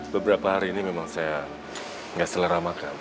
beberapa hari ini memang saya nggak selera makan